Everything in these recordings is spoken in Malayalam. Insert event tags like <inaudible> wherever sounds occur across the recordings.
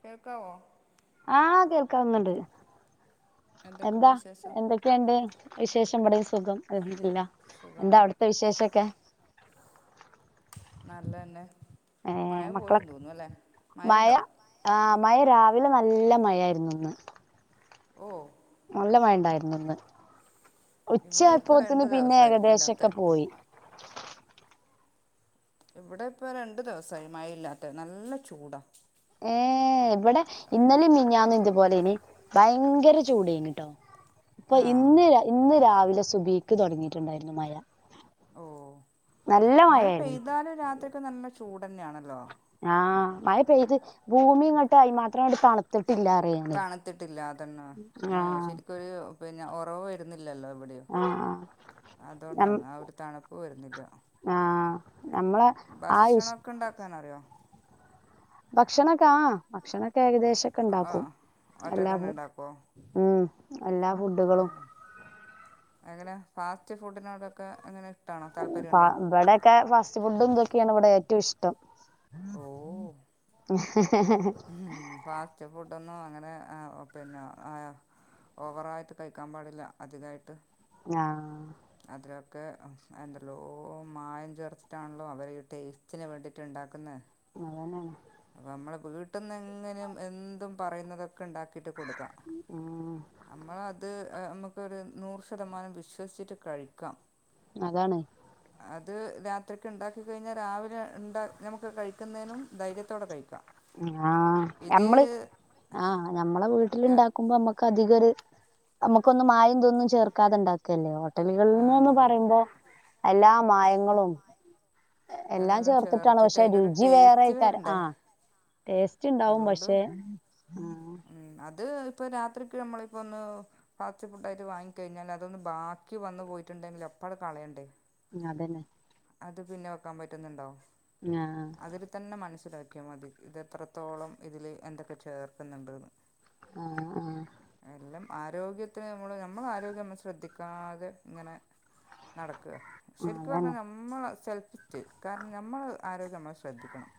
കേൾക്കാവോ ക്കാവ്ന്നുണ്ട് എന്തൊക്കെയുണ്ട് എന്താ വിശേഷം എന്തെക്കെ ഇണ്ട് വിശേഷം ഇവിടെം സുഖം അല്ഹംദുലില്ലാ എന്താ സുഖാണ് അവ്ട്ത്തെ വിശേഷൊക്കെ നല്ലെയെന്നെ ഏ മക്കളൊക്കെ മഴ മഴയുണ്ടോ ആ മഴ രാവിലെ നല്ല മഴയാര്ന്നു ഇന്ന് ഓ നല്ല മഴ ഇണ്ടായിര്ന്നു ഇന്ന് ഇവിടെ ഇപ്പോൾ രണ്ട് ഉച്ചായ്‌പ്പോത്തിന് പിന്നെ ദിവസമായി ഇല്ലാത്ത ഏകദേശൊക്കെ പോയി ഇവടെ ഇപ്പൊ രണ്ട് ദിവസായി മഴയില്ലാത്തെ നല്ല ചൂടാ ഏഹ് ഇവടെ ഇന്നലെമ്മിഞ്ഞാന്നൂന്റെ പോലെയ്നി ഭയങ്കര ചൂടയ്ന്ട്ടോ. പ്പൊ ആ ഇന്ന് രാ ഇന്ന് രാവിലെ <unintelligible> സുബീക്ക് തൊടങ്ങീട്ട്ണ്ടായ്ര്ന്നു മയ. ഓഹ് മഴ മഴയായിരുന്നു പെയ്താലും രാത്രിയൊക്കെ നല്ല ചൂ ന്ന്യാണല്ലോ ആഹ് മഴ പെയ്ത് ഭൂമിങ്ങട്ട് അയിൻമാത്രംങ്ങട്ട് തണ്ത്ത് തണ്ത്തിട്ടില്ല അതെന്നെ ആഹ് ശര്ക്കൊരു പിന്നെ ഓർ മേൻ വര്ന്ന് ല്ലല്ലോ ഇവടിം ആഹ് ആഹ് നം അതോണ്ടാണ് ആഒര് തണപ്പ് വര്ന്നില്ലാ ആഹ് നമ്മളെ ആ ഇഷ് ഭക്ഷണൊക്കെണ്ടാക്കാനറിയോ? ഭക്ഷണൊക്കെ ആഹ് ഭക്ഷണൊ ആ ഏകദേശൊക്കെണ്ടാക്കും ഒറ്റക്കന്നെ എല്ലാവും ഉണ്ടാക്കുമോ ഉം എല്ലാ ഫുഡ്ഡുകളും എങ്ങനെ ഫാസ്റ്റ് ഫുഡ്നോടൊക്കെ എങ്ങനെ ഇഷ്ടമാണോ താല്പര്യമുണ്ടോ ആഹ് ഇവടൊക്കെ ഫാസ്റ്റ് ഫുഡുംതൊക്കേണ് ഇവിടേ റ്റുഷ്ടം ഓഹ് ഹ് ഹ് ഹ് ഹ് ഫാസ്റ്റ് ഫുഡൊന്നും അങ്ങനെ പിന്നെ ഓവറായ്ട്ട് കഴിക്കാൻ പാടില്ല അധികായ്ട്ട് ആഹ് ഇതിലൊക്കെ എന്തല്ലോ മായം ചേർത്ത്ട്ടാണല്ലോ അവരീ ടേസ്റ്റിന് വേണ്ടീട്ട്ണ്ടാക്ക്ന്നെ. <unintelligible> അപ്പൊ നമ്മള് വീട്ടിന്ന്ങ്ങനെ എന്തും പറയുന്നുന്നത് ഉണ്ടാക്കിട്ട് കൊടുക്കാം ഉം നമ്മളത് അ ഒരു നൂറ് ശതമാനം വിശ്വസിച്ചിട്ട് കഴിക്കാം. അതാണ്. അത് രാത്രിക്ക് ഉണ്ടാക്കി കഴിഞ്ഞാൽ രാവിലെ ണ്ടാ നമുക്ക് കഴി ക്കുന്നതിനും ധൈ <unintelligible> ആഹ് ഞമ്മള് ആഹ് ഞമ്മളെ വീട്ടില് ര ഉണ്ടാക്കുമ്പോ നമ്മക്ക് അധികം ഒരു നമ്മുക്കൊന്നും മായോം ഇതൊന്നും ചേർക്കാത ഉണ്ടാക്കല്ലേ ഓ ആ ഹോട്ടലുകളിൽന്ന് പറയുമ്പോ എല്ലാം മായങ്ങളും എല്ലാം ചേർത്തിട്ടാണ് ചേർത്തിട്ട് പക്ഷെ അതിൻ്റെ ഒരു രുചി വേറെ ടേസ്റ്റ് ഇക്കർ വരണ്ടേ ആഹ് ടേസ്റ്റ് ഇണ്ടാവും അതുകൊണ്ട് പക്ഷെ ഇത് ഇപ്പൊ രാത്രിക്ക് നമ്മളിപ്പോ ഒന്ന് ഫാസ്റ്റ് ഫുഡ് ആയിട്ട് വാങ്ങിക്കഴിഞ്ഞാൽ അതൊന്ന് ബാക്കി വന്ന് പോയിട്ടുണ്ടെങ്കിൽ അപ്പാടെ കളയണ്ടേ? അതന്നെ അത് പിന്നെ വെക്കാൻ പറ്റുന്നിണ്ടോ ആഹ് അതില് തന്നെ മനസ ലാക്കിയാ മതി ഇത് എത്ര- ത്തോളം ഇതില് എന്തൊക്കെ ചേർക്കുന്ണ്ട്ന്ന്- ആഹ് ആഹ് എല്ലം ആരോഗ്യത്തിന് നമ്മള് ഞമ്മളാരോഗ്യൊന്നും ശ്രദ്ധിക്കാതെ ഇങ്ങനെ നടക്കും ശരിക്ക് പറഞ്ഞ അതന്നെ ഞമ്മള് ഹെൽത്ത് കാരണം ഞമ്മള് ആരോഗ്യമ്മള് ശ്രദ്ധിക്കണം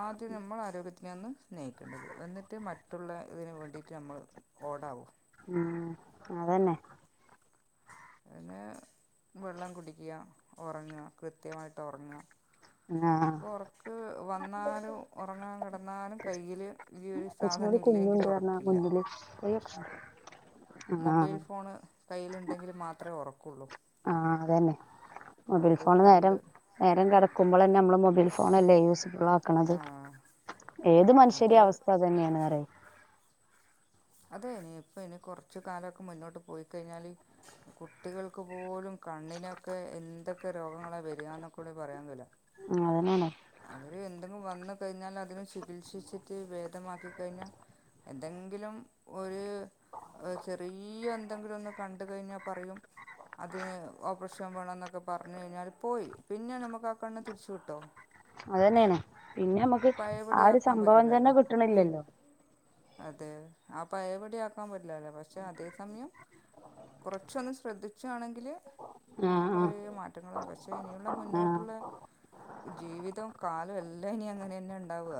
ആദ്യം ഞമ്മളാരോഗ്യ തന്നെ സ്നേഹിക്കേണ്ടത് എന്നിട്ട് മറ്റുള്ള ഇതിന് വേണ്ടിട്ട് നമ്മൾ ഓഡആവും ഉം അതന്നെ പിന്നെ വെള്ളം കുടിക്കുക, ഉറങ്ങുക, കൃത്യമായിട്ട് ഉറങ്ങുക. ആഹ് ഇപ്പൊ ഉറക്ക് വന്നാലും ഉറങ്ങാൻ കിടന്നാലും കയ്യില് ഈ ഒരു കൊച്ചിനോട് കുഞ്ഞുണ്ട് സാധനല്ലെങ്കില് പറഞ്ഞ ഉറക്കില്ല. മുന്നില് മൊബൈൽ ആഹ് ഫോണ് കയ്യിലുണ്ടെങ്കില് മാത്രെ ഉറ കൊള്ളൂ ആഹ് അതന്നെ അതും കണ്ട് അത് അതെ ഇനി ഇപ്പൾ ഇനി കുറച്ച കാലമൊക്കെ മുന്നോട്ട് പോയിക്കഴിഞ്ഞല് കുട്ടികൾക്ക് പോലും കണ്ണിനൊക്കെ എന്തൊക്കെ രോഗങ്ങളെ വരികന്നൊക്കൂടി പറയാൻ കഴിയൂല. ഉം അതെന്നെ ആണേ അവര് എന്തെങ്കിലും വന്ന കഴിഞ്ഞാൽ അതിനെ ചികിത്സിച്ചിട്ട് ഭേദമാക്കി കഴിഞ്ഞ എന്തെങ്കിലും ഒരു ചെറിയന്തെങ്കിലും ഒന്ന് കണ്ട് കഴിഞ്ഞാ പറയും അത് ഓപ്പറേഷൻ വേണം എന്നൊക്ക പറഞ്ഞു കഴിഞ്ഞാല് പോയി പിന്നെ നമുക്ക് ആ കണ്ണ് തിരിച്ചു കിട്ടോ? അതന്നെയാണ് പിന്നെ നമുക്ക് ആ ഒരു പഴയപടിയാക്കാൻ സംഭവം പറ്റില്ലല്ലോ തന്നെ കിട്ടണില്ലല്ലോ അതെ ആ പഴയപടി ആക്കാൻ പറ്റില്ലല്ലേ പക്ഷെ അതേ സമയം കൊറച്ചൊന്ന് ശ്രദ്ധിച്ചണെങ്കില് ആഹ് കുറേ ആഹ് മാറ്റങ്ങൾ എ വച്ച പക്ഷെ ഇനിയുള്ള ആഹ് മുന്നോട്ടുള്ള ജീവിതവും കാലവും എല്ലാം ഇനി അങ്ങനെ തന്നെ ഉണ്ടാവുക.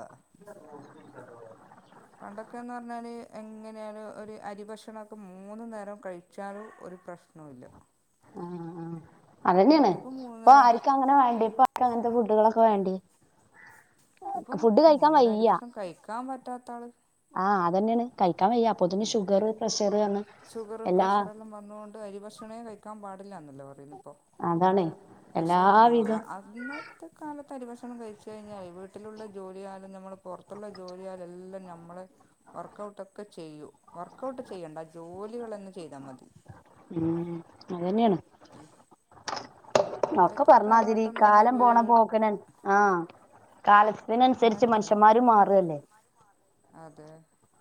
പണ്ടൊക്കെയെന്ന് പറഞ്ഞാല് എങ്ങനെയാലും ഒരു അരിഭക്ഷണക്കെ മൂന്നു നേരം കഴിച്ചാലും ഒരു പ്രശ്നോയില്ല ആഹ് ആഹ് അതന്നെയാണ് ഇപ്പൊ നേരം ആർക്ക്‌ അങ്ങനെ വേണ്ടി ഇപ്പങ്ങനത്തെ ഫു <unintelligible> ളൊക്കെ വേണ്ടി ഇപ്പം ഫുഡ് കഴിക്കാൻ മൂന്നേരം വയ്യ അരിഭക്ഷണ്ണം കഴിക്കാൻ പറ്റാത്തള് ൻ വയ്യ അപ്പോത്തിന് ഷുഗർ പ്രെഷ ഷുഗറ് പ്രഷറ് എല്ലാം വന്നോണ്ട് അരി ഭക്ഷണേ കഴിക്കാൻ പാ ടെ ഇല്ലാന്നല്ലെ പറയുന്നെ പ്പം അതാണ് പക്ഷെ ആ എല്ലാവിധ അന്നത്തെ കാലത്ത് ത്തരി ഭക്ഷണം കഴിച്ച് കഴിഞ്ഞാലെ വീട്ടിലുള്ള ജോലിയാലും ഞമ്മൾ പൊർത്തുള്ള ജോലിയാലും എല്ലാം ഞമ്മള് വർക്കൗട്ടാക്കെ ചെയ്യു വർക്ക് ഔട്ട് ചെയ്യെണ്ട ജോലി കളെന്നെ ചെയ്താമതി ഉം അതെന്നെയാണ് ഒക്കെ ഇപ്പോഴത്തെ പർനാതിരി കാലഘട്ടം എന്ന് പറഞ്ഞാൽ കാലം വീ പോണ പോക്ക്ന് അന് ആ കാല ത്തി നൻസരിച്ച് അങ്ങനെയല്ലേ മനുഷ്യന്മാരും മാറ് അല്ലെ അതെ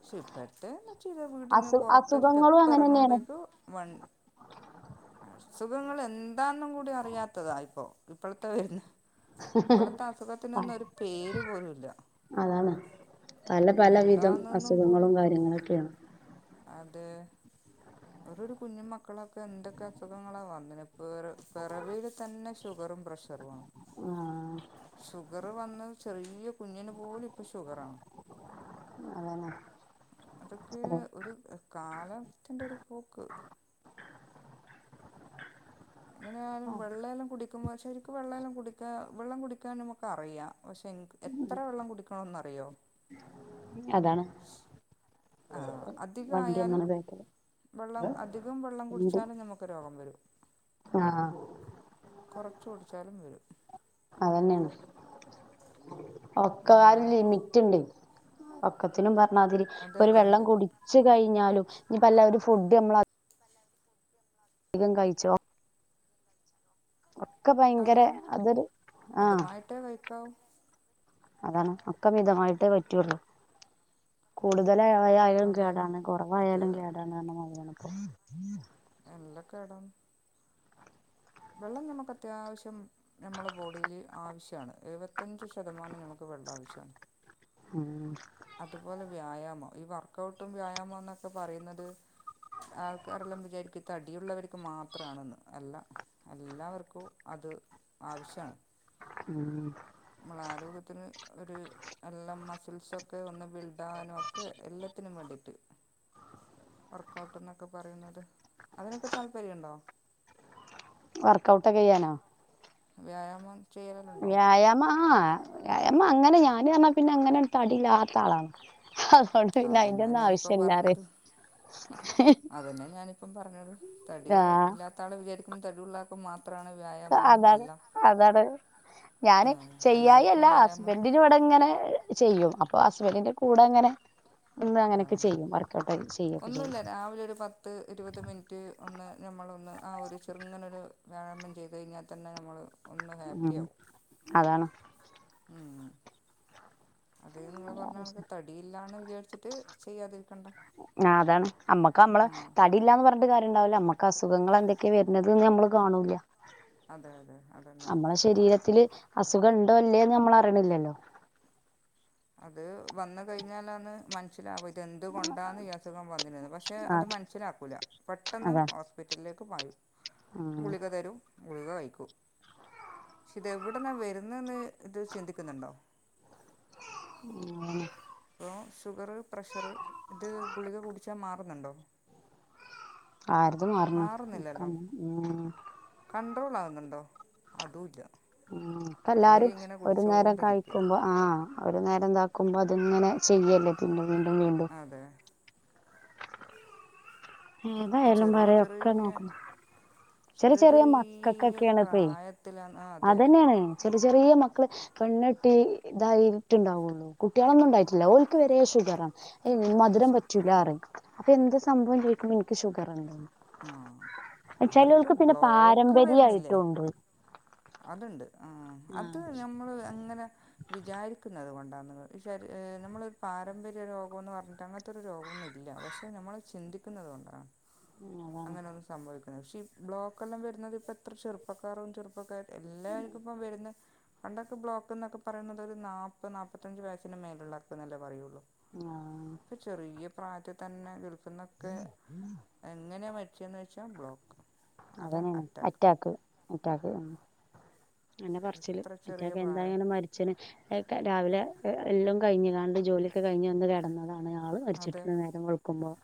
ശ് പ്പഴ്ത്തെ <unintelligible> വീട്ടിന്ന് അസു പൊറത്ത് അസുഖങ്ങളും സ്റ്റെപ്പ് അങ്ങനെ തന്നെയാണ് എറങ്ങ്മ്പേക്ക് വണ് അസുഖങ്ങൾ എൻ <unintelligible> കൂടി അറിയാത്തതാ ഇപ്പോ ഇപ്പള്ത്തെ വെരുന്നെ ഇപ്പളത്തെ അസുഖത്തിനൊന്നും ഒരു പേര് പോലുല്ല അതാണ് പല പല വിധം അസുഖങ്ങളും കാര്യങ്ങളൊക്കെയാണ് അതെ. ഓരോരു കുഞ്ഞു മക്കളൊക്കെ എന്തക്കെ അസുഖങ്ങളാ വന്നിന് പെറ പെറവീല് തന്നെ ഷുഗറും പ്രഷറുവാണ് ആഹ് ഷുഗറു വന്ന്. ചെറിയ കുഞ്ഞിനു പോലും ഇപ്പൊ ഷുഗറാണ്. അതന്നെ. അതൊക്കെ ഒരു ഏഹ് കാല <unintelligible> പോക്ക്. എങ്ങനെയാലും വെള്ളെല്ലാം കുടി <unintelligible> ശരിക്കും വെള്ളം എല്ലാം കുടിക്കാൻ വെള്ളം കുടിക്കാൻ നമ്മക്ക് അറിയാം. പക്ഷെ എത്ര വെള്ളം കുടിക്കണോന്ന് അറിയോ? അതാണ് ആ വണ്ടി അധികായാലും ഒന്നാണ് ബേക്കില് വെള്ളം അധികം വെള്ളം കുടിച്ചാലും നമുക്ക് രോഗം വരും. ആ കൊറച്ചുടിച്ചാലും വരും അതന്നേണ്. ഒക്കാ ഒര് ലിമിറ്റ് ഇണ്ടെ ഒക്കത്തിനും പ ർണാതിരി അതെ ഇപ്പൊരു അതെ വെള്ളം ഉണ്ട് കുടിച്ചു കയിഞ്ഞാലും ഇഞ്ഞിപ്പല്ല ഒരു ഫുഡ് ഞമ്മള അ ധികം കഴിച്ചോ ഒക്കെ ഭയങ്കര അതെ അതൊരു ആ മിതമായിട്ടേ കഴിക്കാവൂ അതാണ് ഒക്കെ മിതമായിട്ടേ പറ്റൊള്ളൂ കൂടു തലായാലും അതെ കേടാണ് ഇത് കൊറവായാലും കേടാണ് അർഞ്ഞ മാതിരിയാണ്. ഇപ്പൊ എന്തൊക്കേണ് വെള്ളം ഞമ്മക്ക് അത്യാവശ്യം ഞമ്മളെ ബോഡീല് ആവശ്യാണ് എഴു വത്തഞ്ച് ശതമാനം ഞമ്മക്ക് വെള്ളം ആവശ്യാണ് ഉം അതുപോലെ വ്യായാമം ഈ വർക്കഔട്ടും വ്യായാമം എന്നൊക്കെ പറയുന്നത് ആൾക്കാരെല്ലാം വിചാരിക്കും തടിയുള്ളവര്ക്ക് മാത്രാണെന്ന്, അല്ല എല്ലാവർക്കും അത് ആവശ്യാണ്. ഉം ഇമ്മളെ ആരോഗ്യത്തിന് ഒരു എല്ലാം മസിൽസൊക്കെ ഒന്ന് ബിൽഡ് ആവാനും ഒക്കെ എല്ലത്തിനും വേണ്ടീട്ട് വർക്കഔട്ട് എന്നൊക്കെ പറയുന്നത് അതിനൊക്കെ താല്പര്യണ്ടോ? വർക്കൗട്ടൊക്കെ ചെയ്യാനോ വ്യായാമം ചെയ്യലുണ്ടോ വ്യായാമം ആഹ് വ്യായാമം അങ്ങനെ ഞാന് പർഞ്ഞാ പിന്നെ അങ്ങനെ ര് തടില്ലാത്ത ആളാണ്. അതൊണ്ട് പിന്നെ അയിന്റെ അതന്നെ ഒന്നും ഞാനിപ്പം പറഞ്ഞത് ആവശ്യല്ലാറിയാ. ആപ്പം പറഞ്ഞത് തടി ഇല്ലാത്താണ് വിചാരി തടിയുളള ആൾക്ക് മാ അതാണ് അതാണ് ഞാന് ആഹ് എല്ലാർക്കും ചെയ്യായല്ല വ്യായാമം ഹസ്ബൻഡിന് ഇവിടെ ഇങ്ങനെ ചെയ്യും അപ്പൊ ഹുസ്ബൻന്റെ കൂടെ അങ്ങനെ നിന്ന് ആ അങ്ങനെയൊക്കെ ചെയ്യും വർക്കഔട്ട് ചെയ്യൊക്കെ ചെയ്യും ഒന്നുമില്ല രാവിലെ ഒരു പത്ത് ഇരുപത് മിനിറ്റ് ഒന്ന് ഞമ്മളൊന്ന് ആ ഒരു ചെറുങ്ങനൊരു വ്യായാമം ചെയ്തു കഴിഞ്ഞാൽ തന്നെ നമ്മൾ ഉം അതാണ് ഉം അത് നിങ്ങള് പറഞ്ഞണക്ക് തടിയില്ലാന്ന് വിചാരിച്ചിട്ട് ചെയ്യാതിരിക്കണ്ട ആ അതാണ് ണ്ടാവില്ല നമ്മക്ക് അസുഖങ്ങൾ എന്തൊക്കെയ വരുന്നത് നമ്മള് കാണൂല്ല അതെ അതെ അതന്നെ നമ്മള ശരീരത്തില് അസു സുഖം ഉണ്ടോ ഇല്ലെന്ന് നമ്മൾ അറിയണില്ലല്ലോ അത് വന്ന കഴിഞ്ഞാലാന്ന് മനസ്സിലാവ എന്തുകൊണ്ടാെന്ന് ഈ അസുഖം വന്നിരുന്നത് പക്ഷെ ആ അത് മനസ്സിലാക്കൂല്ല പെട്ടെന്ന് അതാ ഹോസ്പിറ്റല് ക്ക് പായും ഉം ഗുളിക തരും ഗുളിക കഴിക്കൂ പക്ഷേ ഇതെവിടെന്നാണ് വരുന്നേന്ന് ഇത് ചിന്തിക്കുന്നുണ്ടോ ഉം ങ്ങനെ ഷുഗറ് പ്രഷറ് ഗുളിക കുടിച്ചാ മാറുന്നുണ്ടോ ആർദ് മാറുന്നു ഉം കണ്ട്രോൾ ആകുന്നുണ്ടോ അദൂല്ല ഉം ഇപ്പ എല്ലാരും ഒരു നേരം കുടിച്ചുകൊണ്ടിരിക്കുക കഴിക്കുമ്പോ ആഹ് ഒരു നേരം എന്താ ക്കുമ്പോ അതിങ്ങനെ ചെയ്യല്ലേ പിന്ന വീണ്ടും വീണ്ടും അതെ ഈ ഏതായാലും ചെറിയ പറയ് ഒക്കെ ചെറിയ നോക്കുന്നു ചെറിയ ചെറിയ പ്രായത്തില് ആ അതെ അതന്നെയാണ് ചെറിയ ചെറിയ മക്കള് പെണ്ണെട്ടി ഇതായിട്ടുണ്ടാവുള്ളു കുട്ടികളൊന്നും ഉണ്ടായിട്ടില്ല ഓക്ക് വരെ ഷുഗറാണ് മധുരം പറ്റൂലാറയും അപ്പൊ എന്താ സംഭവം ചോദിക്കുമ്പോ എനിക്ക് ഷുഗറാണന്ന് ആഹ് അവർക്ക് ചെലവർക്ക് പിന്നെ ബ്ലോക്ക് വരുന്നില്ലേ പാരമ്പര്യായിട്ടും ഉണ്ട് അതുണ്ട് ആ അത് ആഹ് നമ്മൾ അങ്ങനെ വിചാരിക്കുന്നത് കൊണ്ട് ണ് ശരി നമ്മൾ ഒരു പാരമ്പര്യ രോഗോന്ന് പറഞ്ഞിട്ട് അങ്ങനത്തൊരു രോഗമൊന്നും ഇല്ല പക്ഷെ നമ്മൾ ചിന്തിക്കുന്നത് കൊണ്ടാണ് അതാണ് അങ്ങനൊന്നും സംഭവിക്കണില്ല പക്ഷെ ബ്ലോക്കെല്ലാം വരുന്നത് ഇപ്പ എത്ര ചെറുപ്പക്കാരും ചെറുപ്പക്കാരി എല്ലാവർക്കും ഇപ്പം വരുന്നു പണ്ടൊക്കെ ബ്ലോക്ക് എന്നൊക്കെ പറയുന്നത് ഒരു നാപ്പ നാപ്പത്തഞ്ച് വയസ്സിന് മേലുള്ളോർക്ക് എന്നല്ലേ പറയുള്ളൂ ആഹ് ഇപ്പൊ ചെറിയ പ്രായത്തി തന്നെ ഗൾ ന്നൊക്കെ എങ്ങനെയാ മരിച്ചേന്ന് വെച്ച ല്ലാം ബ്ലോക്ക് അതന്നെയാണ് അറ്റാക്ക് അറ്റാക്ക് അങ്ങനെ പറച്ചില്ല് എത്ര ചെറിയ അറ്റാക്കെ പ്രായം എന്തായാലും മരിച്ചന് രാവിലെ എ എല്ലാം കഴിഞ്ഞ് കാണ്ട് ജോലിയൊക്ക കഴിഞ്ഞ് വന്ന് കെടന്നതാണ് ആള് അതെ മരിച്ചിട്ടുണ്ടായിരുന്നു നേരം വെളുക്കുമ്പോൾ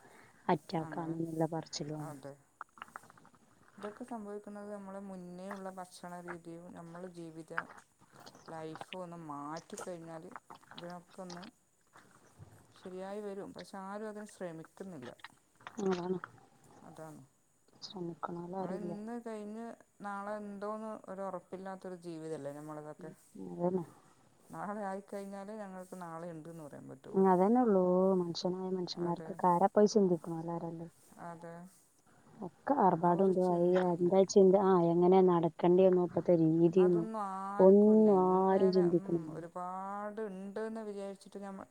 അങ്ങനെ അറ്റാക്കാണെന്നുള്ള പറച്ചിലും ആണ് അതെ ഇതൊക്കെ സംഭവിക്കുന്നത് മുന്നേ ഉള്ള ഭക്ഷണ രീതി നമ്മള് ജീവിത ലൈഫ് ഒന്നു മാറ്റിക്കഴിഞ്ഞാല് അതിനൊക്കെ ഒന്ന് ശരിയായി വരും പക്ഷെ ആരും അതിന് ശ്രമിക്കുന്നില്ല അതാണ് അതാണ് ശ്രമ നമ്മള് ഇന്ന് കഴിഞ്ഞ് നാളെ ഉണ്ടോന്ന് ഒരു ഉറപ്പില്ലാത്ത ഒരു ജീവിതം അല്ലേ നമ്മളിതൊക്കെ അതന്നെ നാളെ <unintelligible> കഴിഞ്ഞാൽ ഞങ്ങൾക് നാളെ ഇൻഡ് എന്ന് പറയാൻ പറ്റുള്ളൂ അതന്നെ ഉള്ളൂ മനുഷ്യന അതെ മനുഷ്യമാർക്ക് കാര പൈ ചിന്തി ക്ക് ണേല്ലാരാ ഇല്ലേയ് അതെ ഒക്കെ ആ ആർഭാടവു ഒരു ഇതും അയി ചിന്തയില്ല <unintelligible> അങ്ങനെ നടക്കണ്ടി വന്നോ അതൊന്നും ആർക്കുല്ല ആരും എങ്ങനെ ഉം ചിന്തിക്കുന്നില്ലല്ലോ ഒരുപാ ഉണ്ടെന്ന് വിചാരിച്ചിട്ട് നമ്മൾ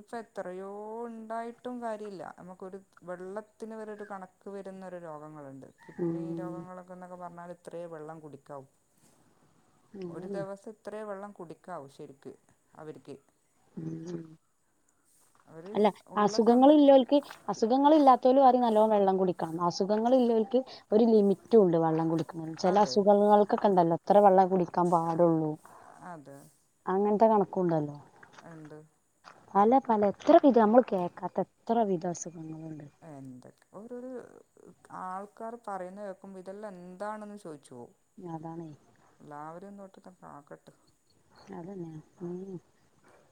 ഇപ്പം എത്രയോ ഉണ്ടായിട്ടും കാര്യമില്ല നമുക്കൊരു വെള്ളത്തിന് വരെ ഒരു കണക്ക് വരുന്നരു രോഗങ്ങളുണ്ട് കിഡ്നി ഉം രോഗങ്ങളൊക്കെ എന്നൊക്കെ പറഞ്ഞൽ ഇത്രയേ വെള്ളം കുടിക്കാവു ഒരു അതന്നെ ദിവസം ഇത്രയും വെള്ളം കുടികവോ ശെരിക്ക് അവർക്ക് ഉം അവർ അല്ല ഉള്ള അസുഖങ്ങള് സമയത്ത് ഇല്ലോൽക് അസുഖങ്ങ ഇല്ലാത്തവരും പറയൂ നല്ലോ വെള്ളം കുടിക്കണം അസുഖങ്ങളില്ലോർക്ക് ഒരു ലിമിറ്റ് ഉണ്ട് വെള്ളം കുടി ചെല അതെ അസുഖങ്ങൾക്കൊക്ക ണ്ടല്ലോ ഇത്ര വള്ള കുടിക്കാൻ പാടുള്ളൂ അങ്ങ ത കണക്കുണ്ടല്ലോ ഇണ്ട് പല പലെ എത്ര വിധം നമ്മൾ കേൾക്കാത്ത എത്ര വിധം അസു എന്തൊ ഓരോരു ആൾക്കാർ പറയുന്ന കേൾക്കുമ്പോ ഇതെല്ലാം എന്താണെന്ന് ചോച്ച് അതാണേ ന്തന്ക് ആകട്ട് അതങ്ങന്യാ <unintelligible>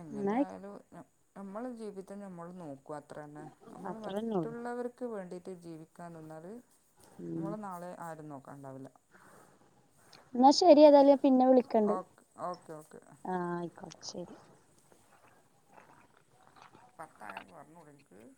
എങ്ങനെ ആയാലു ന നമ്മള് ജീവിതം നമ്മൾ നോ ക്വ അത്രന്ന നമ്മൾ അത്രന്നെ ഉള്ളു മറ്റുള്ളവർക്ക് വേണ്ടി ജീവിക്കാൻ നിന്നാൽ ഉം നമ്മളെ നാളെ ആരുന്നോ ണ്ടാവില്ല എന്നാ ശെരിയേതാലും പിന്നെ വിളിക്കണ്ട് ഓക്കെ ഓക്കെ ഓക്കെ ആ ശരി പത്താഴം <unintelligible>